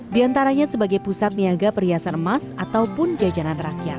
di antaranya sebagai pusat niaga perhiasan emas ataupun jajanan rakyat